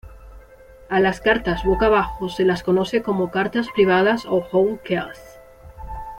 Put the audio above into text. A las cartas boca abajo se las conoce como cartas privadas o "hole cards".